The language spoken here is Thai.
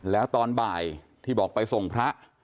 แล้วตอนบ่ายที่บอกไปส่งพระ